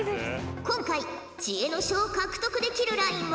今回知恵の書を獲得できるラインは。